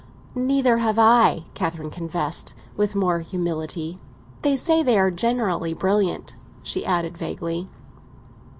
"Neither have I," Catherine confessed, with more humility. "They say they are generally brilliant," she added vaguely.